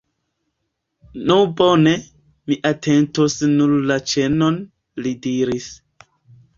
Nu bone, mi atentos nur la ĉenon, li diris.